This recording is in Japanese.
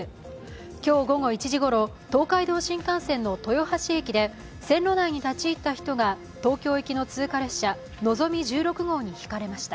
今日午後１時ごろ、東海道新幹線の豊橋駅で線路内に立ち入った人が東京行きの通過列車「のぞみ１６号」にひかれました。